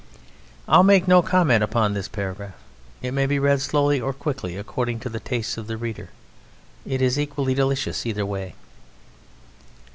I will make no comment upon this paragraph. It may be read slowly or quickly, according to the taste of the reader; it is equally delicious either way.